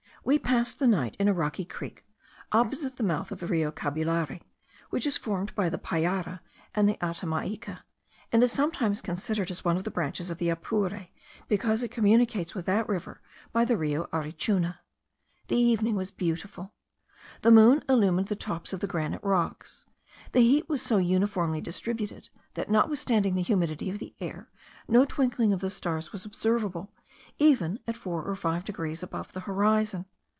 We passed the night in a rocky creek, opposite the mouth of the Rio Cabullare, which is formed by the Payara and the Atamaica, and is sometimes considered as one of the branches of the Apure, because it communicates with that river by the Rio Arichuna. The evening was beautiful. The moon illumined the tops of the granite rocks. The heat was so uniformly distributed, that, notwithstanding the humidity of the air, no twinkling of the stars was observable, even at four or five degrees above the horizon.